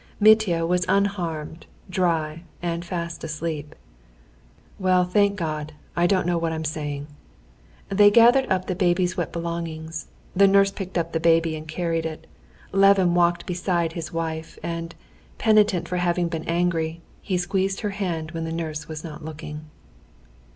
Mitya was unharmed, dry, and still fast asleep. "Well, thank God! I don't know what I'm saying!" They gathered up the baby's wet belongings; the nurse picked up the baby and carried it. Levin walked beside his wife, and, penitent for having been angry, he squeezed her hand when the nurse was not looking.